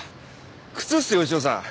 靴っすよ牛尾さん。